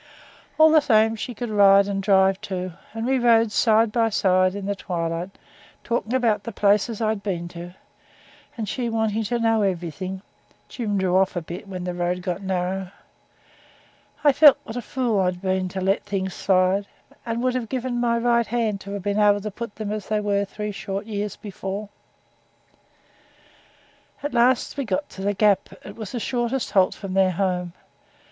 All the same she could ride and drive too, and as we rode side by side in the twilight, talking about the places I'd been to, and she wanting to know everything (Jim drew off a bit when the road got narrow), I felt what a fool I'd been to let things slide, and would have given my right hand to have been able to put them as they were three short years before. At last we got to the Gap; it was the shortest halt from their home.